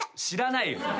知らないよ。